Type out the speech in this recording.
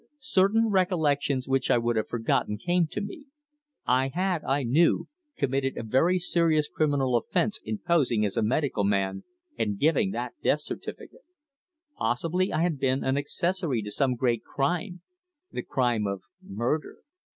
Certain recollections which I would have forgotten came to me. I had, I knew, committed a very serious criminal offence in posing as a medical man and giving that death certificate. Possibly I had been an accessory to some great crime the crime of murder!